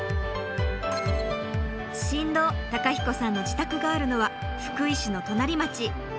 新郎公彦さんの自宅があるのは福井市の隣町永平寺町。